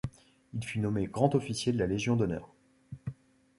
Il fut nommé grand-officier de la Légion d'honneur.